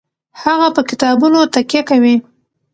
هغه په کتابونو تکیه کوي.